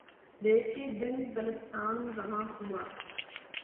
لے کے دل، دلستاں روانہ ہوا